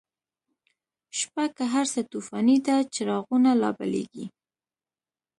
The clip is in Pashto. شپه که هر څه توفانی ده، چراغونه لا بلیږی